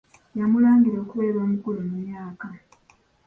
Yamulangira okubeera omukulu mu myaka.